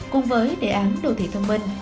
cùng với đề án đồ thị thông minh